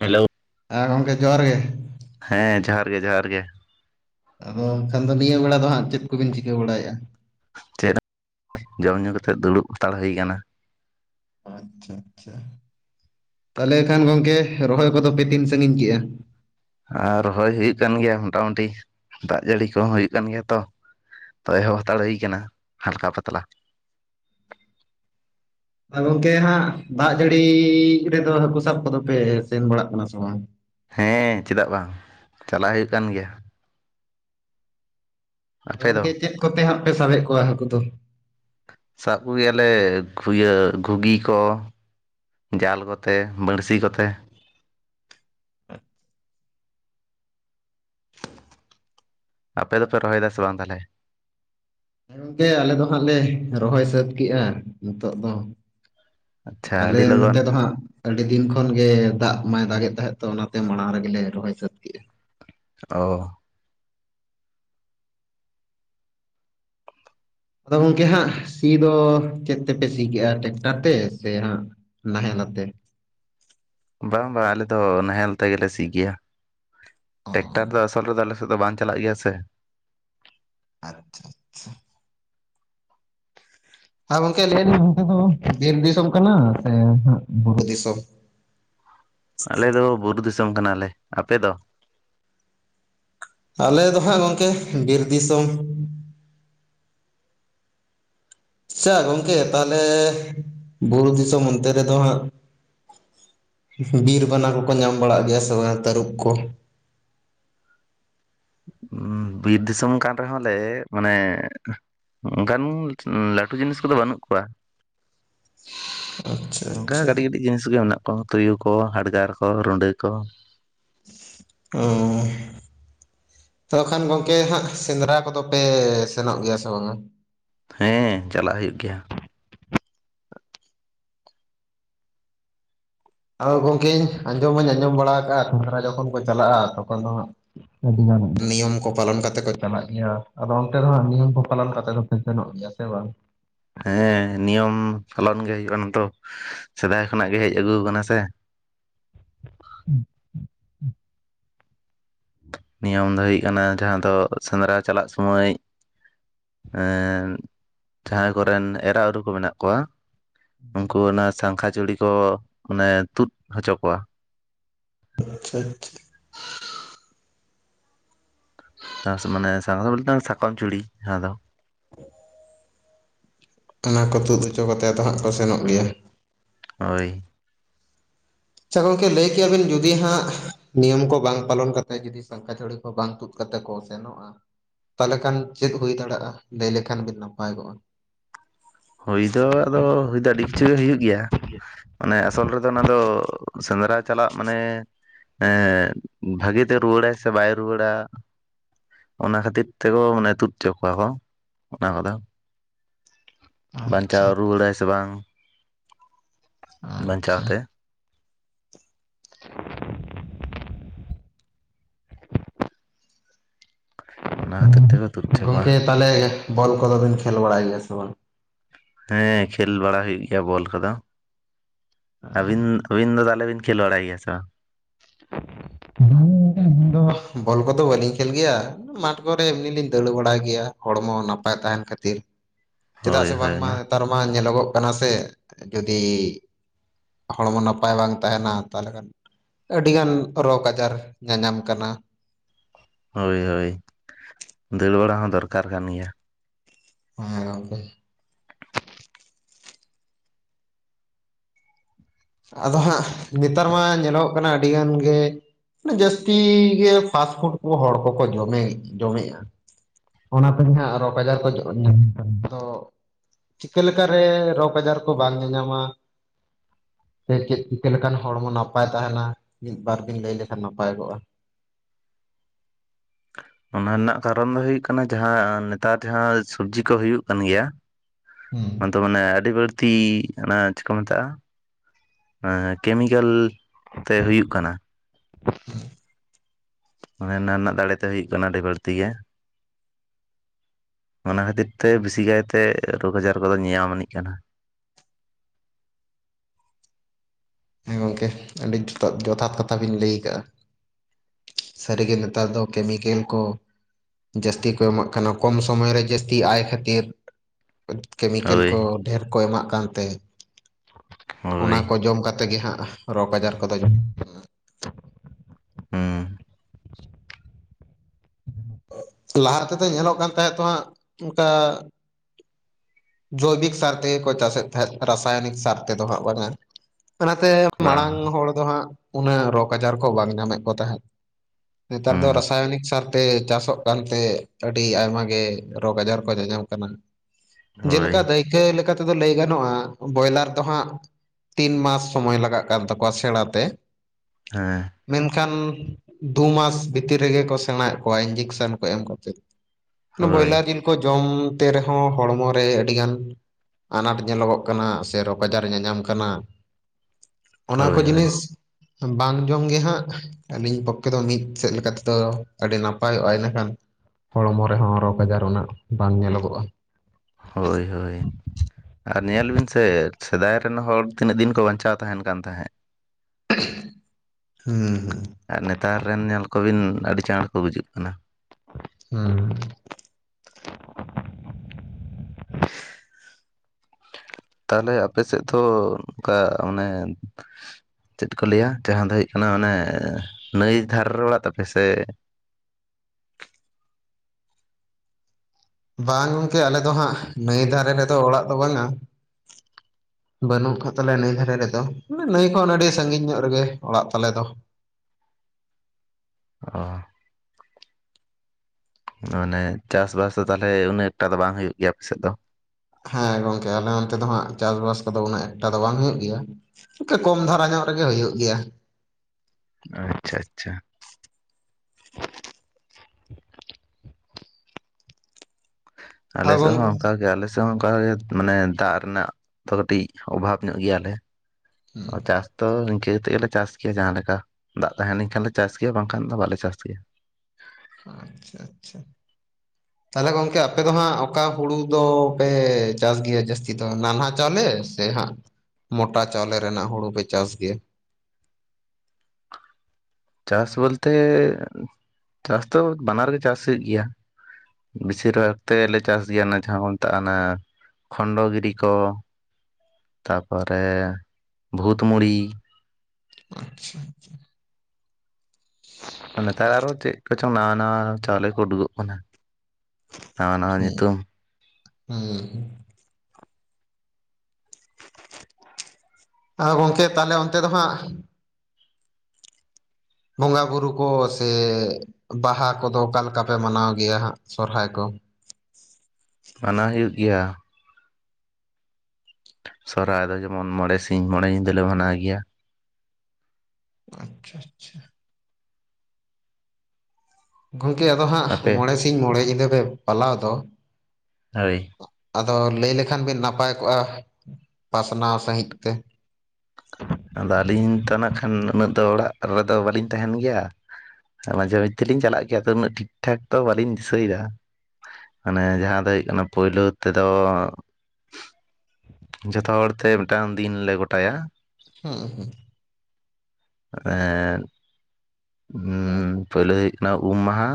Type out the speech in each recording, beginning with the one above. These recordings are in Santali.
ᱦᱮᱞᱳ ᱦᱮᱸ ᱜᱚᱢᱠᱮ ᱡᱚᱦᱟᱨ ᱜᱮ ᱦᱮᱸ ᱡᱚᱦᱟᱨ ᱜᱮ ᱡᱚᱦᱟᱨ ᱜᱮ ᱟᱫᱚ ᱮᱱᱠᱷᱟᱱ ᱫᱚ ᱱᱤᱭᱟᱹ ᱵᱮᱲᱟ ᱫᱚ ᱦᱟᱸᱜ ᱪᱮᱫ ᱠᱚᱵᱤᱱ ᱪᱤᱠᱟᱹ ᱵᱟᱲᱟᱭᱮᱫᱼᱟ. ᱪᱮᱫ ᱡᱚᱢ ᱧᱩ ᱠᱟᱛᱮᱫ ᱫᱩᱲᱩᱵ ᱦᱟᱛᱟᱲ ᱦᱩᱭ ᱟᱠᱟᱱᱟ᱾ ᱟᱪᱪᱷᱟ ᱟᱪᱪᱷᱟ ᱛᱟᱦᱚᱞᱮ ᱠᱷᱟᱱ ᱜᱚᱝᱠᱮ ᱨᱚᱦᱚᱭ ᱠᱚᱫᱚ ᱯᱮ ᱛᱤᱱ ᱥᱟᱺᱜᱤᱧ ᱠᱮᱜᱼᱟ? ᱟᱨ ᱨᱚᱦᱚᱭ ᱦᱩᱭᱩᱜ ᱠᱟᱱ ᱜᱮᱭᱟ ᱢᱚᱴᱟ ᱢᱩᱴᱤ ᱫᱟᱜ ᱡᱟᱹᱲᱤ ᱠᱚᱦᱚᱸ ᱦᱩᱭᱩᱜ ᱠᱟᱱ ᱜᱮᱭᱟ ᱛᱚ ᱛᱚ ᱮᱦᱚᱵ ᱦᱟᱛᱟᱲ ᱦᱩᱭ ᱠᱟᱱᱟ ᱦᱟᱞᱠᱟ ᱯᱟᱛᱞᱟ ᱾ ᱟᱨ ᱜᱚᱝᱠᱮ ᱦᱟᱸᱜ ᱫᱟᱜ ᱡᱟᱹᱲᱤ ᱨᱮᱫᱚ ᱦᱟᱹᱠᱩ ᱥᱟᱵ ᱠᱚᱫᱚᱯᱮ ᱥᱮᱱ ᱵᱟᱲᱟᱜ ᱠᱟᱱᱟ ᱥᱮ ᱵᱟᱝ? ᱦᱮᱸ ᱪᱮᱫᱟᱜ ᱵᱟᱝ, ᱪᱟᱞᱟᱜ ᱦᱩᱭᱩᱜ ᱠᱟᱱ ᱜᱮᱭᱟ᱾ ᱟᱯᱮ ᱫᱚ ᱜᱚᱢᱠᱮ ᱪᱮᱫ ᱠᱚᱛᱮ ᱦᱟᱸᱜ ᱯᱮ ᱥᱟᱵᱮᱫ ᱠᱚᱣᱟ ᱦᱟᱹᱠᱩ ᱫᱚ? ᱥᱟᱵ ᱠᱚᱜᱮᱭᱟᱞᱮ ᱤᱭᱟᱹ ᱜᱷᱩᱜᱤ ᱠᱚ ᱾ ᱡᱟᱞ ᱠᱚᱛᱮ ᱵᱟᱹᱬᱥᱤ ᱠᱚᱛᱮ ᱾ ᱟᱪᱪ ᱟᱯᱮ ᱫᱚᱯᱮ ᱨᱚᱦᱚᱭᱮᱫᱟ ᱥᱮ ᱵᱟᱝ ᱛᱟᱦᱚᱞᱮ? ᱛᱟᱭᱚᱢᱚᱢᱛᱮᱮ ᱟᱞᱮ ᱫᱚ ᱦᱟᱸᱜ ᱞᱮ ᱨᱚᱦᱚᱭ ᱥᱟᱹᱛ ᱠᱮᱜᱼᱟ ᱱᱤᱛᱚᱜ ᱫᱚ ᱾ ᱟᱪᱪᱷᱟ ᱟᱞᱮ ᱟᱹᱰᱤ ᱞᱚᱜᱚᱱ ᱱᱚᱛᱮ ᱫᱚ ᱦᱟᱸᱜ ᱟᱹᱰᱤ ᱫᱤᱱ ᱠᱷᱚᱱ ᱜᱮ ᱫᱟᱜ ᱢᱟᱭ ᱫᱟᱜᱮᱫ ᱛᱟᱦᱮᱸᱫ ᱛᱚ ᱚᱱᱟᱛᱮ ᱢᱟᱲᱟᱝ ᱨᱮᱜᱮᱞᱮ ᱨᱚᱦᱚᱭ ᱥᱟᱹᱛ ᱠᱮᱜᱼᱟ᱾ ᱚ ᱟᱫᱚ ᱜᱚᱢᱠᱮ ᱦᱟᱸᱜ ᱥᱤ ᱫᱚ ᱪᱮᱫ ᱛᱮᱯᱮ ᱥᱤ ᱠᱮᱜᱼᱟ ᱴᱮᱠᱴᱟᱨ ᱛᱮ ᱥᱮ ᱦᱟᱸᱜ ᱱᱟᱦᱮᱞ ᱟᱛᱮ? ᱵᱟᱝ ᱵᱟᱝ ᱟᱞᱮ ᱫᱚ ᱱᱟᱦᱮᱞ ᱛᱮᱜᱞᱮ ᱥᱤ ᱜᱮᱭᱟ᱾ ᱚ ᱴᱮᱠᱴᱟᱨ ᱫᱚ ᱟᱥᱚᱞ ᱨᱮᱫᱚ ᱥᱮᱫ ᱫᱚ ᱵᱟᱝ ᱪᱟᱞᱟᱜ ᱜᱮᱭᱟ ᱥᱮ ᱟᱪᱪᱷᱟ ᱟᱪᱪᱷᱟ ᱦᱮᱸ ᱜᱚᱝᱠᱮ ᱞᱟᱹᱭ ᱮᱫ ᱫᱚ ᱵᱤᱨ ᱫᱤᱥᱚᱢ ᱠᱟᱱᱟ ᱥᱮ ᱵᱩᱨᱩ ᱫᱤᱥᱚᱢ? ᱟᱞᱮ ᱫᱚ ᱵᱩᱨᱩ ᱫᱤᱥᱚᱢ ᱠᱟᱱᱟᱞᱮ᱾ ᱟᱯᱮ ᱫᱚ? ᱟᱞᱮ ᱫᱚ ᱦᱟᱸᱜ ᱜᱚᱝᱠᱮ ᱵᱤᱨ ᱫᱤᱥᱚᱢ᱾ ᱟᱪᱪᱷᱟ ᱜᱚᱝᱠᱮ ᱛᱟᱦᱚᱞᱮ ᱵᱩᱨᱩ ᱫᱤᱥᱚᱢ ᱚᱱᱛᱮ ᱨᱮᱫᱚ ᱦᱟᱸᱜ ᱵᱤᱨ ᱵᱟᱱᱟ ᱠᱚᱠᱚ ᱧᱟᱢ ᱵᱟᱲᱟᱜ ᱜᱮᱭᱟ ᱥᱮ ᱵᱟᱝ ᱛᱟᱹᱨᱩᱵ ᱠᱚ? ᱵᱤᱨ ᱫᱤᱥᱚᱢ ᱠᱟᱱ ᱨᱮᱦᱚᱸ ᱞᱮ ᱢᱟᱱᱮ ᱚᱱᱠᱟᱱ ᱞᱟᱹᱴᱩ ᱡᱤᱱᱤᱥ ᱠᱚᱫᱚ ᱵᱟᱹᱱᱩᱜ ᱠᱚᱣᱟ ᱾ [inaudible] ᱚᱱᱠᱟ ᱟᱪᱪᱷᱟ ᱠᱟᱹᱴᱤᱡ ᱠᱟᱹᱴᱤᱡ ᱡᱤᱱᱤᱥ ᱜᱮ ᱢᱮᱱᱟᱜ ᱠᱚᱣᱟ ᱛᱩᱭᱩ ᱠᱚ ᱦᱟᱰᱜᱟᱨ ᱠᱚ ᱨᱩᱸᱰᱟᱹ ᱠᱚ ᱚ ᱟᱫᱚ ᱠᱷᱟᱱ ᱜᱚᱝᱠᱮ ᱦᱟᱸᱜ ᱥᱮᱸᱫᱽᱨᱟ ᱠᱚᱫᱚ ᱯᱮ ᱥᱮᱱᱚᱜ ᱜᱮᱭᱟ ᱥᱮ ᱵᱟᱝᱼᱟ? ᱦᱮᱸ ᱪᱟᱞᱟᱜ ᱦᱩᱭᱩᱜ ᱜᱮᱭᱟ᱾ ᱟᱫᱚ ᱜᱚᱢᱠᱮ ᱟᱸᱡᱚᱢᱟᱹᱧ ᱟᱸᱡᱚᱢ ᱵᱟᱲᱟ ᱟᱠᱟᱜᱼᱟ ᱥᱮᱸᱫᱽᱨᱟ ᱡᱚᱠᱷᱚᱱ ᱠᱚ ᱪᱟᱞᱟᱜᱼᱟ ᱛᱚᱠᱷᱚᱱ ᱫᱚ ᱦᱟᱸᱜ ᱟᱹᱰᱤᱜᱟᱱ ᱱᱤᱭᱚᱢ ᱠᱚ ᱯᱟᱞᱚᱱ ᱠᱟᱛᱮ ᱠᱚ ᱪᱟᱞᱟᱜ ᱜᱮᱭᱟ ᱟᱫᱚ ᱚᱱᱛᱮ ᱫᱚᱦᱟᱸᱜ ᱱᱤᱭᱚᱢ ᱠᱚ ᱯᱟᱞᱚᱱ ᱠᱟᱛᱮ ᱫᱚ ᱥᱮ ᱥᱮᱱᱚᱜ ᱜᱮᱭᱟ ᱥᱮ ᱵᱟᱝ? ᱦᱮᱸ ᱱᱤᱭᱚᱢ ᱯᱟᱞᱚᱱ ᱜᱮ ᱦᱩᱭᱩᱜᱼᱟ ᱛᱚ ᱥᱮᱫᱟᱭ ᱠᱷᱚᱱᱟᱜ ᱜᱮ ᱦᱮᱡ ᱟᱹᱜᱩ ᱟᱠᱟᱱᱟ ᱥᱮ ᱦᱩᱸ ᱦᱸᱸ ᱱᱤᱭᱚᱢ ᱫᱚ ᱦᱩᱭᱩᱜ ᱠᱟᱱᱟ ᱡᱟᱦᱟᱸ ᱫᱚ ᱥᱮᱸᱫᱽᱨᱟ ᱪᱟᱞᱟᱜ ᱥᱩᱢᱚᱭ ᱡᱟᱦᱟᱸᱭ ᱠᱚᱨᱮᱱ ᱮᱨᱟ ᱩᱨᱩ ᱠᱚ ᱢᱮᱱᱟᱜ ᱠᱚᱣᱟ ᱩᱱᱠᱩ ᱚᱱᱟ ᱥᱟᱝᱠᱷᱟ ᱪᱩᱲᱤ ᱠᱚ ᱚᱱᱮ ᱛᱩᱫ ᱦᱚᱪᱚ ᱠᱚᱣᱟ ᱟᱪᱪᱷᱟ ᱟᱪᱪᱷᱟ ᱦ ᱥᱟ ᱢᱟᱱᱮ ᱥᱟᱥᱴ [unintelligible] ᱥᱟᱠᱚᱢ ᱪᱩᱲᱤ ᱡᱟᱦᱟᱸ ᱫᱚ ᱚᱱᱟ ᱠᱚ ᱛᱩᱫ ᱦᱚᱪᱚ ᱠᱟᱛᱮ ᱟᱫᱚ ᱦᱟᱸᱜ ᱠᱚ ᱥᱮᱱᱚᱜ ᱜᱮᱭᱟ ᱦᱳᱭ ᱟᱪᱪᱷᱟ ᱜᱚᱝᱠᱮ ᱞᱟᱹᱭ ᱠᱮᱭᱟᱵᱤᱱ ᱡᱩᱫᱤ ᱦᱟᱸᱜ ᱱᱤᱭᱚᱢ ᱠᱚ ᱵᱟᱝ ᱯᱟᱞᱚᱱ ᱠᱟᱛᱮᱫ ᱡᱩᱫᱤ ᱥᱟᱝᱠᱷᱟ ᱪᱩᱲᱤ ᱠᱚ ᱵᱟᱝ ᱛᱩᱫ ᱠᱟᱛᱮ ᱠᱚ ᱥᱮᱱᱚᱜᱼᱟ ᱛᱟᱦᱚᱞᱮ ᱠᱷᱟᱱ ᱪᱮᱫ ᱦᱩᱭ ᱫᱟᱲᱮᱭᱟᱜᱼᱟ ᱞᱟᱹᱭ ᱞᱮᱠᱷᱟᱱ ᱵᱤᱱ ᱱᱟᱯᱟᱭ ᱠᱚᱜᱼᱟ ᱦᱩᱭ ᱫᱚ ᱟᱫᱚ ᱦᱩᱭ ᱫᱚ ᱟᱹᱰᱤ ᱠᱤᱪᱷᱩ ᱜᱮ ᱦᱩᱭᱩᱜ ᱜᱮᱭᱟ ᱢᱟᱱᱮ ᱟᱥᱚᱞ ᱨᱮᱫᱚ ᱚᱱᱟ ᱫᱚ ᱥᱮᱸᱫᱽᱨᱟ ᱪᱟᱞᱟᱜ ᱢᱟᱱᱮ ᱮ ᱵᱷᱟᱹᱜᱤ ᱛᱮ ᱨᱩᱣᱟᱹᱲᱟᱭ ᱥᱮ ᱵᱟᱭ ᱨᱩᱣᱟᱹᱲᱟ ᱚᱱᱟ ᱠᱷᱟᱹᱛᱤᱨ ᱛᱮᱠᱚ ᱢᱟᱱᱮ ᱛᱩᱫ ᱪᱚ ᱠᱚᱣᱟ ᱠᱚ ᱚᱱᱟ ᱠᱚᱫᱚ ᱵᱟᱧᱪᱟᱣ ᱟᱪᱪᱷᱟ ᱟᱪᱪᱷᱟ ᱨᱩᱣᱟᱹᱲᱟᱭ ᱥᱮ ᱵᱟᱝ ᱵᱟᱧᱪᱟᱣ ᱟᱪᱪᱷᱟ᱾ ᱛᱮ [inaudible] ᱚᱱᱟ ᱠᱷᱟᱹᱛᱤᱨ ᱛᱮᱠᱚ ᱛᱩᱫ ᱦᱚᱪᱚ ᱠᱚᱣᱟ ᱜᱚᱝᱠᱮ ᱛᱟᱦᱚᱞᱮ ᱵᱚᱞ ᱠᱚᱫᱚᱵᱤᱱ ᱠᱷᱮᱹᱞ ᱵᱟᱲᱟᱭ ᱜᱮᱭᱟ ᱥᱮ ᱵᱟᱝ ᱦᱮᱸ ᱠᱷᱮᱞ ᱵᱟᱲᱟ ᱦᱩᱭᱩᱜ ᱜᱮᱭᱟ ᱵᱚᱞ ᱠᱚᱫᱚ ᱟᱹᱵᱤᱱ ᱟᱹᱵᱤᱱ ᱫᱚ ᱛᱟᱦᱚᱞᱮ ᱵᱤᱱ ᱠᱷᱮᱞ ᱵᱟᱲᱟᱭ ᱜᱮᱭᱟ ᱥᱮ ᱵᱟᱝ [inaudible] ᱤᱧ ᱫᱚ ᱵᱚᱞ ᱠᱚᱫᱚ ᱵᱟᱹᱞᱤᱧ ᱠᱷᱮᱞ ᱜᱮᱭᱟ ᱢᱟᱴ ᱠᱚᱨᱮ ᱮᱢᱱᱤ ᱞᱤᱧ ᱫᱟᱹᱲ ᱵᱟᱲᱟᱭ ᱜᱮᱭᱟ ᱦᱚᱲᱢᱚ ᱱᱟᱯᱟᱭ ᱛᱟᱸᱦᱮᱱ ᱠᱷᱟᱹᱛᱤᱨ ᱪᱮᱫᱟᱜ ᱦᱳᱭ ᱥᱮ ᱵᱟᱝ ᱦᱳᱭ ᱢᱟ ᱚᱱᱟ ᱱᱮᱛᱟᱨ ᱢᱟ ᱧᱮᱞᱚᱜᱚᱜ ᱠᱟᱱᱟ ᱥᱮ ᱡᱩᱫᱤ ᱦᱚᱲᱢᱚ ᱱᱟᱯᱟᱭ ᱵᱟᱝ ᱛᱟᱸᱦᱮᱱᱟ ᱛᱟᱦᱚᱞᱮ ᱠᱷᱟᱱ ᱟᱹᱰᱤ ᱜᱟᱱ ᱨᱳᱜᱽ ᱟᱡᱟᱨ ᱧᱟᱧᱟᱢ ᱠᱟᱱᱟ ᱦᱳᱭ ᱦᱳᱭ ᱫᱟᱹᱲ ᱵᱟᱲᱟ ᱦᱚᱸ ᱫᱚᱨᱠᱟᱨ ᱠᱟᱱ ᱜᱮᱭᱟ ᱦᱮᱸ ᱜᱚᱝᱠᱮ ᱟᱫᱚ ᱦᱟᱸᱜ ᱱᱮᱛᱟᱨ ᱢᱟ ᱧᱮᱞᱚᱜᱚᱜ ᱠᱟᱱᱟ ᱟᱹᱰᱤᱜᱟᱱ ᱜᱮ ᱡᱟᱹᱥᱛᱤ ᱜᱮ ᱯᱷᱟᱥᱴ ᱯᱷᱩᱰ ᱠᱚ ᱦᱚᱲ ᱠᱚᱠᱚ ᱡᱚᱢᱮ ᱡᱚᱢᱮᱜᱼᱟ ᱚᱱᱟ ᱛᱮᱜᱮ ᱦᱟᱸᱜ ᱨᱳᱜᱽ ᱟᱡᱟᱨ ᱠᱚ ᱧᱟᱢ [inaudible] ᱪᱤᱠᱟᱹ ᱞᱮᱠᱟ ᱨᱮ ᱨᱳᱜᱽ ᱟᱡᱟᱨ ᱠᱚ ᱵᱟᱝ ᱧᱟᱧᱟᱢᱟ ᱥᱮ ᱪᱮᱫ ᱪᱤᱠᱟᱹ ᱞᱮᱠᱟᱱ ᱦᱚᱲᱢᱚ ᱱᱟᱯᱟᱭ ᱛᱟᱸᱦᱮᱱᱟ ᱢᱤᱫ ᱵᱟᱨ ᱵᱤᱱ ᱞᱟᱹᱭ ᱞᱮᱠᱷᱟᱱ ᱱᱟᱯᱟᱭ ᱠᱚᱜᱼᱟ ᱚᱱᱟ ᱨᱮᱱᱟᱜ ᱠᱟᱨᱚᱱ ᱫᱚ ᱦᱩᱭᱩᱜ ᱠᱟᱱᱟ ᱡᱟᱦᱟᱸ ᱱᱮᱛᱟᱨ ᱡᱟᱦᱟᱸ ᱥᱚᱵᱡᱤ ᱠᱚ ᱦᱩᱭᱩᱜ ᱠᱟᱱ ᱜᱮᱭᱟ ᱦᱩᱸ ᱚᱱᱟ ᱫᱚ ᱢᱟᱱᱮ ᱟᱹᱰᱤ ᱵᱟᱹᱲᱛᱤ ᱚᱱᱟ ᱪᱮᱫ ᱠᱚ ᱢᱮᱛᱟᱜᱼᱟ ᱠᱮᱢᱤᱠᱮᱞ ᱛᱮ ᱦᱩᱭᱩᱜ ᱠᱟᱱᱟ [inaudible] ᱢᱟᱱᱮ ᱚᱱᱟ ᱨᱮᱱᱟᱜ ᱫᱟᱲᱮ ᱛᱮ ᱦᱩᱭᱩᱜ ᱠᱟᱱᱟ ᱟᱹᱰᱤ ᱵᱟᱹᱲᱛᱤ ᱜᱮ ᱚᱱᱟ ᱠᱷᱟᱹᱛᱤᱨ ᱛᱮ ᱵᱮᱥᱤ ᱠᱟᱭ ᱛᱮ ᱨᱳᱜᱽ ᱟᱡᱟᱨ ᱠᱚᱫᱚ ᱧᱮᱧᱟᱢ ᱟᱹᱱᱤᱡ ᱠᱟᱱᱟ ᱦᱮᱸ ᱜᱚᱝᱠᱮ ᱟᱹᱰᱤ ᱡᱚᱛᱷᱟ ᱡᱚᱛᱷᱟᱛ ᱠᱟᱛᱷᱟ ᱵᱤᱱ ᱞᱟᱹᱭ ᱠᱟᱜᱼᱟ ᱥᱟᱹᱨᱤ ᱜᱮ ᱱᱮᱛᱟᱨ ᱫᱚ ᱠᱮᱢᱤᱠᱮᱞ ᱠᱚ ᱡᱟᱹᱥᱛᱤ ᱠᱚ ᱮᱢᱟᱜ ᱠᱟᱱᱟ ᱠᱚᱢ ᱥᱚᱢᱚᱭ ᱨᱮ ᱡᱟᱹᱥᱛᱤ ᱟᱭ ᱠᱷᱟᱹᱛᱤᱨ ᱠᱮᱢᱤᱠᱮᱞ ᱦᱳᱭ ᱠᱚ ᱰᱷᱮᱨ ᱠᱚ ᱮᱢᱟᱜ ᱠᱟᱱ ᱛᱮ ᱚᱱᱟ ᱦᱳᱭ ᱠᱚ ᱡᱚᱢ ᱠᱟᱛᱮ ᱛᱮᱜᱮ ᱦᱟᱸᱜ ᱨᱳᱜᱽ ᱟᱡᱟᱨ ᱠᱚᱫᱚ ᱦᱩᱸ ᱞᱟᱦᱟ ᱛᱮᱫᱚ ᱧᱮᱞᱚᱜ ᱠᱟᱱ ᱛᱟᱦᱮᱸᱫ ᱛᱚ ᱦᱟᱸᱜ ᱚᱱᱠᱟ ᱡᱳᱭᱵᱤᱠ ᱥᱟᱨ ᱛᱮᱜᱮ ᱠᱚ ᱪᱟᱥᱮᱫ ᱛᱟᱦᱮᱸ ᱨᱟᱥᱟᱭᱚᱱᱤᱠ ᱥᱟᱨ ᱛᱮᱫᱚ ᱦᱟᱸᱜ ᱵᱟᱝᱼᱟ ᱚᱱᱟ ᱛᱮ ᱵᱟᱝ ᱢᱟᱲᱟᱝ ᱦᱚᱲ ᱫᱚ ᱦᱟᱸᱜ ᱩᱱᱟᱹᱜ ᱨᱳᱜᱽ ᱟᱡᱟᱨ ᱠᱚ ᱵᱟᱝ ᱧᱟᱢᱮᱫ ᱠᱚ ᱛᱟᱦᱮᱸᱫ ᱱᱮᱛᱟᱨ ᱫᱚ ᱦᱩᱸ ᱨᱟᱥᱟᱭᱚᱱᱤᱠ ᱥᱟᱨ ᱛᱮ ᱪᱟᱥᱚᱜ ᱠᱟᱱ ᱛᱮ ᱟᱹᱰᱤ ᱟᱭᱢᱟ ᱜᱮ ᱨᱳᱜᱽ ᱟᱡᱟᱨ ᱠᱚ ᱧᱟᱧᱟᱢ ᱠᱟᱱᱟ ᱦᱳᱭ ᱡᱮᱞᱮᱠᱟ ᱫᱟᱹᱭᱠᱟᱹ ᱞᱮᱠᱟ ᱛᱮᱫᱚ ᱞᱟᱹᱭ ᱜᱟᱱᱚᱜᱼᱟ ᱵᱚᱭᱞᱟᱨ ᱫᱚ ᱦᱟᱸᱜ ᱛᱤᱱ ᱢᱟᱥ ᱥᱚᱢᱚᱭ ᱞᱟᱜᱟᱜ ᱠᱟᱱ ᱛᱟᱠᱚᱣᱟ ᱥᱮᱬᱟ ᱛᱮ ᱦᱮᱸ ᱢᱮᱱ ᱠᱷᱟᱱ ᱫᱩ ᱢᱟᱥ ᱵᱷᱤᱛᱤᱨ ᱨᱮᱜᱮ ᱠᱚ ᱥᱮᱬᱟᱭᱮᱫ ᱠᱚᱣᱟ ᱤᱧᱡᱮᱠᱥᱮᱱ ᱠᱚ ᱮᱢ ᱠᱟᱛᱮᱫ ᱾ ᱦᱳᱭ ᱵᱚᱭᱞᱟᱨ ᱡᱤᱞ ᱠᱚ ᱡᱚᱢ ᱛᱮ ᱨᱮᱦᱚᱸ ᱦᱚᱲᱢᱚ ᱨᱮ ᱟᱹᱰᱤᱜᱟᱱ ᱟᱱᱟᱴ ᱧᱮᱞᱚᱜᱚᱜ ᱠᱟᱱᱟ ᱥᱮ ᱨᱳᱜᱽ ᱟᱡᱟᱨ ᱧᱟᱧᱟᱢ ᱠᱟᱱᱟ ᱾ ᱚᱱᱟ ᱠᱚ ᱦᱳᱭ ᱡᱤᱱᱤᱥ ᱵᱟᱝ ᱡᱚᱢ ᱜᱮ ᱦᱟᱸᱜ ᱟᱹᱞᱤᱧ ᱯᱚᱠᱠᱷᱮ ᱫᱚ ᱢᱤᱫ ᱥᱮᱫ ᱞᱮᱠᱟ ᱛᱮᱫᱚ ᱟᱹᱰᱤ ᱱᱟᱯᱟᱭᱚᱜᱼᱟ ᱤᱱᱟᱹᱠᱷᱟᱱ ᱦᱚᱲᱢᱚ ᱨᱮᱦᱚᱸ ᱨᱳᱜᱽ ᱟᱡᱟᱨ ᱩᱱᱟᱹᱜ ᱵᱟᱝ ᱧᱮᱞᱚᱜᱚᱜᱼᱟ᱾ ᱦᱳᱭ ᱦᱳᱭ᱾ ᱟᱨ ᱧᱮᱞ ᱵᱤᱱ ᱥᱮ ᱥᱮᱫᱟᱭ ᱨᱮᱱ ᱦᱚᱲ ᱛᱤᱱᱟᱹᱜ ᱫᱤᱱ ᱠᱚ ᱵᱟᱧᱪᱟᱣ ᱛᱟᱦᱮᱱ ᱠᱟᱱ ᱛᱟᱦᱮᱸᱫ᱾ ᱦᱩᱸ ᱦᱩᱸ ᱟᱨ ᱱᱮᱛᱟᱨ ᱨᱮᱱ ᱧᱮᱞ ᱠᱚᱵᱤᱱ ᱟᱹᱰᱤ ᱪᱟᱬ ᱠᱚ ᱜᱩᱡᱩᱜ ᱠᱟᱱᱟ᱾ ᱦᱩᱸ ᱛᱟᱦᱞᱮ ᱟᱯᱮ ᱥᱮᱫ ᱫᱚ ᱚᱱᱠᱟ ᱚᱱᱮ ᱪᱮᱫ ᱠᱚ ᱞᱟᱹᱭᱟ ᱡᱟᱦᱟᱸ ᱫᱚ ᱦᱩᱭᱩᱜ ᱠᱟᱱᱟ ᱚᱱᱮ ᱱᱟᱹᱭ ᱫᱷᱟᱨᱮ ᱨᱮ ᱚᱲᱟᱜ ᱛᱟᱯᱮ ᱥᱮ? ᱵᱟᱝ ᱜᱚᱝᱠᱮ ᱟᱞᱮ ᱫᱚ ᱦᱟᱸᱜ ᱱᱟᱹᱭ ᱫᱷᱟᱨᱮ ᱨᱮᱫᱚ ᱚᱲᱟᱜ ᱫᱚ ᱵᱟᱝᱼᱟ᱾ ᱵᱟᱹᱱᱩᱜ ᱠᱟᱜ ᱛᱟᱞᱮᱭᱟ ᱱᱟᱹᱭ ᱫᱷᱟᱨᱮ ᱨᱮᱫᱚ ᱱᱟᱹᱭ ᱠᱷᱚᱱ ᱟᱹᱰᱤ ᱥᱟᱺᱜᱤᱧ ᱧᱚᱜ ᱨᱮᱜᱮ ᱚᱲᱟᱜ ᱛᱟᱞᱮ ᱫᱚ ᱾ ᱚ ᱢᱟᱱᱮ ᱪᱟᱥᱵᱟᱥ ᱫᱚ ᱛᱟᱦᱚᱞᱮ ᱩᱱᱟᱹᱜ ᱴᱟ ᱫᱚ ᱵᱟᱝ ᱦᱩᱭᱩᱜ ᱜᱮᱭᱟ ᱟᱯᱮ ᱥᱮᱫ ᱫᱚ ᱾ ᱦᱮᱸ ᱜᱚᱝᱠᱮ ᱟᱞᱮ ᱚᱱᱛᱮ ᱫᱚ ᱦᱟᱜ ᱪᱟᱥᱵᱟᱥ ᱠᱚᱫᱚ ᱩᱱᱟᱹᱜ ᱮᱠᱴᱟ ᱫᱚ ᱵᱟᱝ ᱦᱩᱭᱩᱜ ᱜᱮᱭᱟ᱾ ᱤᱱᱠᱟᱹ ᱠᱚᱢ ᱫᱷᱟᱨᱟ ᱧᱚᱜ ᱨᱮᱜᱮ ᱦᱩᱭᱩᱜ ᱜᱮᱭᱟ᱾ ᱟᱪᱪᱷᱟ ᱟᱪᱪᱷᱟ᱾ ᱟᱞᱮ ᱟᱨ ᱥᱮᱫ ᱜᱚᱝ ᱦᱚᱸ ᱚᱱᱠᱟ ᱜᱮ ᱟᱞᱮ ᱥᱮᱫ ᱥᱮ ᱚᱱᱠᱟᱜᱮ ᱢᱟᱱᱮ ᱫᱟᱜ ᱨᱮᱱᱟᱜ ᱫᱚ ᱠᱟᱹᱴᱤᱡ ᱚᱵᱷᱟᱵᱽ ᱧᱚᱜ ᱜᱮᱭᱟᱞᱮ᱾ ᱚ ᱪᱟᱥ ᱛᱚ ᱱᱤᱝᱠᱟᱹ ᱠᱟᱛᱮᱫ ᱜᱮᱞᱮ ᱪᱟᱥ ᱜᱮᱭᱟ ᱡᱟᱦᱟᱸ ᱞᱮᱠᱟ ᱫᱟᱜ ᱛᱟᱦᱮ ᱞᱮᱱ ᱠᱷᱟᱱᱞᱮ ᱪᱟᱥ ᱜᱮᱭᱟ ᱵᱟᱝᱠᱷᱟᱱ ᱫᱚ ᱵᱟᱞᱮ ᱪᱟᱥ ᱜᱮᱭᱟ᱾ ᱟᱪᱪᱷᱟ ᱟᱪᱪᱷᱟ᱾ ᱛᱟᱦᱚᱞᱮ ᱜᱚᱝᱠᱮ ᱟᱯᱮ ᱫᱚ ᱦᱟᱸᱜ ᱚᱠᱟ ᱦᱩᱲᱩ ᱫᱚᱯᱮ ᱪᱟᱥ ᱜᱮᱭᱟ ᱡᱟᱹᱥᱛᱤ ᱫᱚ ᱱᱟᱱᱦᱟ ᱪᱟᱣᱞᱮ ᱡᱮ ᱦᱟᱸᱜ ᱢᱚᱴᱟ ᱪᱟᱣᱞᱮ ᱨᱮᱱᱟᱜ ᱦᱩᱲᱩ ᱯᱮ ᱪᱟᱥ ᱜᱮᱭᱟ᱾ ᱪᱟᱥ ᱵᱚᱞᱛᱮ ᱪᱟᱥ ᱫᱚ ᱵᱟᱱᱟᱨ ᱜᱮ ᱪᱟᱥ ᱦᱩᱭᱩᱜ ᱜᱮᱭᱟ᱾ ᱵᱮᱥᱤᱨ ᱵᱷᱟᱜᱽ ᱛᱮᱞᱮ ᱪᱟᱥ ᱜᱮᱭᱟ ᱡᱟᱦᱟᱸ ᱠᱚ ᱢᱮᱛᱟᱜ-ᱟ ᱠᱷᱚᱱᱰᱚ ᱜᱤᱨᱤ ᱠᱚ ᱛᱟᱯᱚᱨᱮ ᱵᱷᱩᱛᱢᱩᱲᱤ ᱟᱪᱪᱷᱟ ᱟᱪᱪᱷᱟ᱾ ᱱᱮᱛᱟᱨ ᱟᱨᱚ ᱪᱮᱫ ᱠᱚᱪᱚᱝ ᱱᱟᱣᱟ ᱱᱟᱣᱟ ᱪᱟᱣᱞᱮ ᱠᱚ ᱩᱰᱩᱠᱚᱜ ᱠᱟᱱᱟ᱾ ᱱᱟᱣᱟ ᱱᱟᱣᱟ ᱦᱩᱸ ᱧᱩᱛᱩᱢ᱾ ᱦᱩᱸ ᱟ ᱜᱚᱢᱠᱮ ᱛᱟᱦᱚᱞᱮ ᱚᱱᱛᱮ ᱫᱚ ᱦᱟᱸᱜ ᱵᱚᱸᱜᱟ ᱵᱩᱨᱩ ᱠᱚ ᱥᱮ ᱵᱟᱦᱟ ᱠᱚᱫᱚ ᱚᱠᱟᱮ ᱞᱮᱠᱟ ᱯᱮ ᱢᱟᱱᱟᱣ ᱜᱮᱭᱟ ᱦᱟᱸᱜ ᱥᱚᱨᱦᱟᱭ ᱠᱚ? ᱢᱟᱱᱟᱣ ᱦᱩᱭᱩᱜ ᱜᱮᱭᱟ᱾ ᱥᱚᱨᱦᱟᱭ ᱫᱚ ᱡᱮᱢᱚᱱ ᱢᱚᱬᱮ ᱥᱤᱧ ᱢᱚᱬᱮ ᱧᱤᱫᱟᱹ ᱞᱮ ᱢᱟᱱᱟᱣ ᱜᱮᱭᱟ᱾ ᱟᱪᱪᱷᱟ ᱟᱪᱪᱷᱟ᱾ ᱜᱚᱢᱠᱮ ᱟᱫᱚ ᱦᱟᱸᱜ ᱟᱯᱮ ᱢᱚᱬᱮ ᱥᱤᱧ ᱢᱚᱬᱮ ᱧᱤᱫᱟᱹ ᱯᱮ ᱯᱟᱞᱟᱣ ᱫᱚ ᱦᱳᱭ ᱟᱫᱚ ᱞᱟᱹᱭ ᱞᱮᱠᱷᱟᱱ ᱵᱤᱱ ᱱᱟᱯᱟᱭ ᱠᱚᱜᱼᱟ ᱯᱟᱥᱱᱟᱣ ᱥᱟᱺᱦᱤᱡ ᱛᱮ᱾ ᱟᱫᱚ ᱟᱹᱞᱤᱧ ᱛᱚ ᱱᱟᱜ ᱠᱷᱟᱱ ᱩᱱᱟᱹᱜ ᱫᱚ ᱚᱲᱟᱜ ᱨᱮᱫᱚ ᱵᱟᱹᱞᱤᱧ ᱛᱟᱦᱮᱱ ᱜᱮᱭᱟ᱾ ᱢᱟᱡᱮ ᱢᱚᱫᱷᱮ ᱞᱤᱧ ᱪᱟᱞᱟᱜ ᱜᱮᱭᱟ ᱛᱚ ᱩᱱᱟᱹᱜ ᱴᱷᱤᱠ ᱴᱷᱟᱠ ᱛᱚ ᱵᱟᱹᱞᱤᱧ ᱫᱤᱥᱟᱹᱭᱮᱫᱟ᱾ ᱢᱟᱱᱮ ᱡᱟᱦᱟᱸ ᱫᱚ ᱦᱩᱭᱩᱜ ᱠᱟᱱᱟ ᱯᱳᱭᱞᱳ ᱛᱮᱫᱚ ᱡᱚᱛᱚ ᱦᱚᱲ ᱛᱮ ᱢᱤᱫᱴᱟᱝ ᱫᱤᱱ ᱞᱮ ᱜᱚᱴᱟᱭᱟ᱾ ᱦᱩᱸ ᱦᱩᱸ ᱮᱸᱫ ᱦᱩᱸ ᱯᱳᱭᱞᱳ ᱦᱩᱭᱩᱜ ᱠᱟᱱᱟ ᱩᱢ ᱢᱟᱦᱟ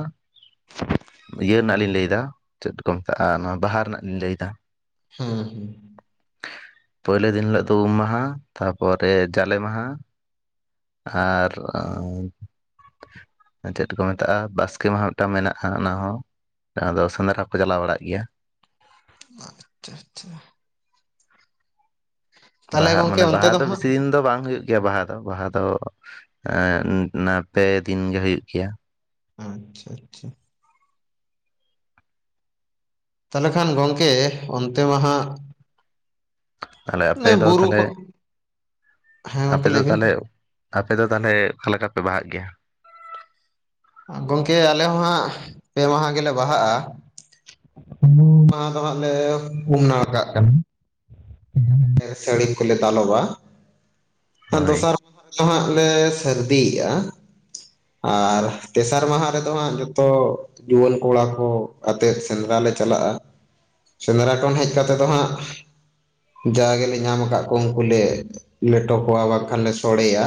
[unintelligible] ᱤᱭᱟᱹ ᱨᱮᱱᱟᱜ ᱞᱤᱧ ᱞᱟᱹᱭᱫᱟ ᱪᱮᱫ ᱠᱚ ᱢᱮᱛᱟᱜᱼᱟ ᱱᱚᱣᱟ ᱵᱟᱦᱟ ᱨᱮᱱᱟᱜ ᱞᱤᱧ ᱞᱟᱹᱭᱫᱟ᱾ ᱦᱩᱸ ᱦᱩᱸ ᱯᱩᱭᱞᱳ ᱫᱤᱱ ᱦᱤᱞᱳᱜ ᱫᱚ ᱩᱢ ᱢᱟᱦᱟ ᱛᱟᱯᱚᱨᱮ ᱡᱟᱞᱮ ᱢᱟᱦᱟ᱾ ᱟᱨ ᱪᱮᱫ ᱠᱚ ᱢᱮᱛᱟᱜᱼᱟ ᱵᱟᱥᱠᱮ ᱢᱟᱦᱟ ᱢᱤᱫᱴᱟᱝ ᱢᱮᱱᱟᱜᱼᱟ ᱚᱱᱟ ᱦᱚᱸ ᱡᱟᱦᱟᱸ ᱫᱚ ᱥᱮᱸᱫᱽᱨᱟ ᱠᱚ ᱪᱟᱞᱟᱣ ᱵᱟᱲᱟᱜ ᱜᱮᱭᱟ᱾ [unintelligible] ᱟᱪᱪᱷᱟ ᱟᱪᱪᱷᱟ ᱛᱟᱦᱚᱞᱮ ᱵᱟᱦᱟ ᱜᱚᱝᱠᱮ ᱢᱟᱱᱮ ᱚᱱᱛᱮ ᱵᱟᱦᱟ ᱫᱚ ᱦᱟᱸᱜ ᱵᱮᱥᱤ ᱫᱤᱱ ᱫᱚ ᱵᱟᱝ ᱦᱩᱭᱩᱜ ᱜᱮᱭᱟ ᱵᱟᱦᱟ ᱫᱚ ᱟᱫᱚ ᱵᱟᱦᱟ ᱫᱚ ᱮ ᱱᱟᱛᱮ ᱫᱤᱱ ᱜᱮ ᱦᱩᱭᱩᱜ ᱜᱮᱭᱟ ᱾ ᱟᱪᱪᱷᱟ ᱟᱪᱪᱷᱟ ᱛᱟᱞᱮ ᱠᱷᱟᱱ ᱜᱚᱝᱠᱮ ᱚᱱᱛᱮ ᱢᱟᱦᱟᱜ ᱟᱞᱮ ᱟᱯᱮ ᱫᱚ ᱵᱩᱨᱩ ᱠᱚ ᱛᱟᱞᱦᱮ ᱦᱮᱸ ᱟᱯᱮ ᱜᱚᱝᱠᱮ ᱫᱚ ᱞᱟᱹᱭ ᱵᱤᱱ ᱛᱟᱞᱦᱮ ᱟᱯᱮ ᱫᱟᱜ ᱛᱟᱞᱦᱮ ᱚᱠᱟᱞᱮᱠᱟ ᱯᱮ ᱵᱟᱦᱟᱜ ᱜᱮᱭᱟ? ᱜᱚᱝᱠᱮ ᱟᱞᱮ ᱦᱚᱸ ᱦᱟᱸᱜ ᱯᱮ ᱢᱟᱦᱟ ᱜᱮᱞᱮ ᱵᱟᱦᱟᱜ-ᱟ ᱾ ᱩᱢᱩ ᱢᱟᱦᱟᱸ ᱫᱚ ᱦᱟᱜ ᱞᱮ ᱩᱢ ᱱᱟᱲᱠᱟᱜ ᱠᱟᱱᱟ ᱥᱟᱹᱲᱤᱢ ᱠᱚᱞᱮ ᱫᱟᱞᱚᱵᱟ ᱦᱳᱭ ᱫᱚᱥᱟᱨ ᱫᱚᱦᱟᱜ ᱞᱮ ᱥᱟᱹᱨᱫᱤᱭᱮᱜ-ᱟ ᱟᱨ ᱛᱮᱥᱟᱨ ᱢᱟᱦᱟ ᱨᱮᱫᱚ ᱦᱟᱸᱜ ᱡᱚᱛᱚ ᱡᱩᱣᱟᱹᱱ ᱠᱚᱲᱟ ᱠᱚ ᱟᱛᱮᱫ ᱥᱮᱸᱫᱽᱨᱟ ᱞᱮ ᱪᱟᱞᱟᱜ-ᱟ ᱾ ᱥᱮᱸᱫᱽᱨᱟ ᱠᱷᱚᱱ ᱦᱮᱡ ᱠᱟᱛᱮ ᱫᱚ ᱦᱟᱸᱜ ᱡᱟ ᱜᱮᱞᱮ ᱧᱟᱢ ᱠᱟᱜ ᱠᱚ ᱩᱱᱠᱩ ᱞᱮ ᱞᱮᱴᱚ ᱠᱚᱣᱟ ᱵᱟᱝᱠᱷᱟᱱ ᱞᱮ ᱥᱚᱲᱮᱭᱟ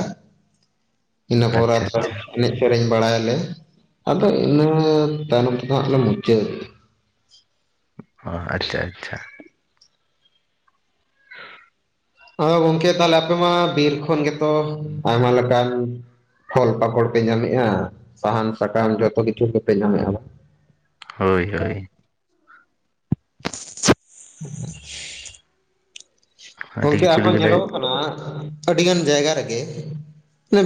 ᱤᱱᱟᱹ ᱯᱚᱨ ᱟᱪᱪᱷᱟ ᱟᱛᱨᱟ ᱟᱪᱪᱷᱟ ᱮᱱᱮᱡ ᱥᱮᱨᱮᱧ ᱵᱟᱲᱟᱭᱟᱞᱮ ᱟᱫᱚ ᱤᱱᱟᱹ ᱛᱟᱭᱱᱚᱢ ᱛᱮᱫᱚ ᱦᱟᱸᱜ ᱞᱮ ᱢᱩᱪᱟᱹᱫ ᱚ ᱟᱪᱪᱷᱟ ᱟᱪᱪᱷᱟ ᱟᱫᱚ ᱜᱚᱝᱠᱮ ᱛᱟᱦᱞᱮ ᱟᱯᱮ ᱢᱟ ᱵᱤᱨ ᱠᱷᱚᱱ ᱜᱮᱛᱚ ᱟᱭᱢᱟ ᱞᱮᱠᱟᱱ ᱯᱷᱚᱞ ᱯᱟᱠᱚᱲ ᱯᱮ ᱧᱟᱢᱮᱜ-ᱟ ᱥᱟᱦᱟᱱ ᱥᱟᱠᱟᱢ ᱡᱚᱛᱚ ᱠᱤᱪᱷᱩ ᱜᱮᱯᱮ ᱧᱟᱢᱮᱜ-ᱟ ᱦᱳᱭ ᱦᱳᱭ ᱟᱹᱰᱤ ᱜᱚᱝᱠᱮ ᱠᱤᱪᱷᱩ ᱟᱨᱦᱚᱸ ᱜᱮᱞᱮ ᱧᱮᱞᱚᱜᱚᱜ ᱠᱟᱱᱟ ᱟᱹᱰᱤ ᱜᱟᱱ ᱡᱟᱭᱜᱟ ᱨᱮᱜᱮ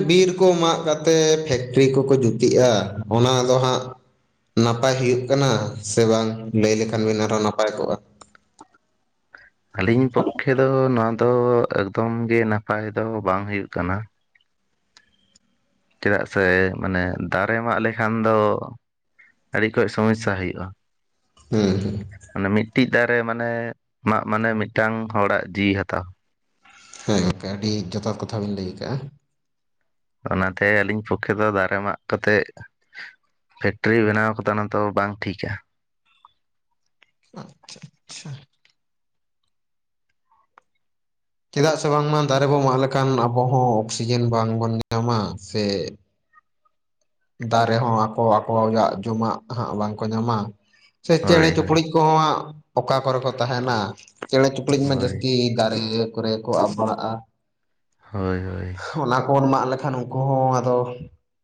ᱵᱤᱨ ᱠᱚ ᱢᱟᱜ ᱠᱟᱛᱮ ᱯᱷᱮᱠᱴᱨᱤ ᱠᱚᱠᱚ ᱡᱩᱛᱮᱜ-ᱟ ᱚᱱᱟ ᱫᱚ ᱦᱟᱸᱜ ᱱᱟᱯᱟᱭ ᱦᱩᱭᱩᱜ ᱠᱟᱱᱟ ᱥᱮ ᱵᱟᱝ ᱞᱟᱹᱭ ᱞᱮᱠᱷᱟᱱ ᱜᱮ ᱟᱨᱦᱚ ᱱᱟᱯᱟᱭ ᱠᱚᱜ-ᱟ? ᱟᱹᱞᱤᱧ ᱯᱚᱠᱠᱷᱮ ᱫᱚ ᱱᱚᱣᱟ ᱫᱚ ᱮᱠᱫᱚᱢ ᱜᱮ ᱱᱟᱯᱟᱭ ᱫᱚ ᱵᱟᱝ ᱦᱩᱭᱩᱜ ᱠᱟᱱᱟ ᱾ ᱪᱮᱫᱟᱜ ᱥᱮ ᱢᱟᱱᱮ ᱫᱟᱨᱮ ᱢᱟᱜ ᱞᱮᱠᱷᱟᱱ ᱫᱚ ᱟᱹᱰᱤ ᱠᱚᱡ ᱥᱚᱢᱚᱥᱥᱟ ᱦᱩᱭᱩᱜ-ᱟ ᱾ ᱦᱩ ᱢᱟᱱᱮ ᱢᱤᱫᱴᱤᱡ ᱫᱟᱨᱮ ᱢᱟᱱᱮ ᱢᱟᱜ ᱢᱟᱱᱮ ᱢᱤᱫᱴᱟᱝ ᱦᱚᱲᱟᱜ ᱡᱤᱣᱤ ᱦᱟᱛᱟᱣ ᱾ ᱦᱮᱸ ᱞᱮᱠᱟ ᱟᱹᱰᱤ ᱡᱚᱛᱷᱟᱛ ᱠᱟᱛᱷᱟ ᱵᱤᱱ ᱞᱟᱹᱭ ᱠᱟᱜ-ᱟ ᱾ ᱚᱱᱟᱛᱮ ᱟᱹᱞᱤᱧ ᱯᱚᱠᱠᱷᱮ ᱫᱚ ᱫᱟᱨᱮ ᱢᱟᱜ ᱠᱟᱛᱮᱜ ᱯᱷᱮᱠᱴᱨᱤ ᱵᱮᱱᱟᱣ ᱠᱚᱫᱚ ᱚᱱᱟ ᱫᱚ ᱵᱟᱝ ᱴᱷᱤᱠᱟ ᱾ ᱟᱪᱪᱷᱟ ᱟᱪᱪᱷᱟ ᱪᱮᱫᱟᱜ ᱥᱮ ᱵᱟᱝᱢᱟ ᱫᱟᱨᱮ ᱵᱚᱱ ᱢᱟᱜ ᱞᱮᱠᱷᱟᱱ ᱟᱵᱚ ᱦᱚᱸ ᱚᱠᱥᱤᱡᱮᱱ ᱵᱟᱝᱵᱚᱱ ᱧᱟᱢᱟ ᱥᱮ ᱫᱟᱨᱮ ᱦᱚᱸ ᱟᱠᱚ ᱟᱠᱚᱜᱟᱜ ᱡᱚᱢᱟᱜ ᱦᱟᱸᱜ ᱵᱟᱝᱠᱚ ᱧᱟᱢᱟ ᱥᱮ ᱪᱮᱬᱮ ᱦᱳᱭ ᱦᱳᱭ ᱪᱩᱯᱲᱩᱡ ᱠᱩᱦᱚᱸᱣᱟᱜ ᱚᱠᱟ ᱠᱚᱨᱮ ᱠᱚ ᱛᱟᱦᱮᱱᱟ ᱪᱮᱬᱮ ᱪᱩᱯᱲᱩᱡ ᱢᱟ ᱦᱳᱭ ᱡᱟᱹᱥᱛᱤ ᱫᱟᱨᱮ ᱠᱚᱨᱮ ᱠᱚ ᱟᱵ ᱵᱟᱲᱟᱜ-ᱟ ᱦᱳᱭ ᱦᱳᱭ ᱚᱱᱟ ᱠᱚᱵᱚᱱ ᱢᱟᱜ ᱞᱮᱠᱷᱟᱱ ᱩᱱᱠᱩ ᱦᱚᱸ ᱟᱫᱚ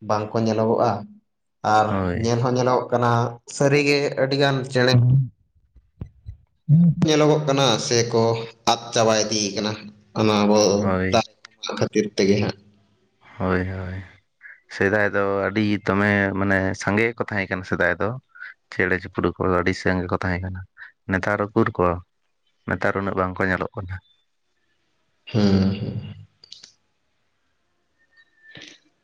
ᱵᱟᱝᱠᱚ ᱧᱮᱞᱚᱜᱚᱜ-ᱟ ᱟᱨ ᱦᱳᱭ ᱧᱮᱞ ᱦᱚᱸ ᱧᱮᱞᱚᱜ ᱠᱟᱱᱟ ᱥᱟᱹᱨᱤᱜᱮ ᱟᱹᱰᱤᱜᱟᱱ ᱪᱮᱬᱮ ᱧᱮᱞᱚᱜᱚᱜ ᱠᱟᱱᱟ ᱥᱮᱠᱚ ᱟᱫ ᱪᱟᱵᱟᱭ ᱫᱤ ᱠᱟᱱᱟ ᱾ ᱚᱱᱟ ᱟᱵᱚ ᱦᱳᱭ ᱫᱟᱜ ᱠᱷᱟᱹᱛᱤᱨ ᱛᱮᱜᱮ ᱦᱟᱸᱜ ᱦᱚᱭ ᱦᱚᱭ ᱥᱮᱫᱟᱭ ᱫᱚ ᱟᱹᱰᱤ ᱫᱚᱢᱮ ᱢᱟᱱᱮ ᱥᱟᱸᱜᱮ ᱜᱮᱠᱚ ᱛᱟᱦᱮᱸ ᱠᱟᱱᱟ ᱥᱮᱫᱟᱭ ᱫᱚ ᱪᱮᱬᱮ ᱪᱩᱯᱨᱩᱜ ᱠᱚ ᱟᱹᱰᱤ ᱥᱟᱹᱝ ᱜᱮᱠᱚ ᱛᱟᱦᱮᱸ ᱠᱟᱱᱟ ᱱᱮᱛᱟᱨ ᱩᱠᱩᱨ ᱠᱚ ᱱᱮᱛᱟᱨ ᱩᱱᱟᱹᱜ ᱵᱟᱝᱠᱚ ᱧᱮᱞᱚᱜ ᱠᱟᱱᱟ᱾ [unintelligible] [inaudible]